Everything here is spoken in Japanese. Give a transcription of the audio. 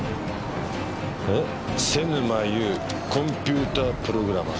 お瀬沼優コンピュータープログラマー。